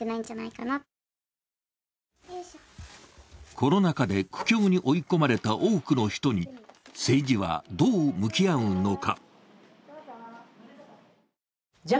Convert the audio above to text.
コロナ禍で苦境に追い込まれた多くの人に政治はどう向き合うのか。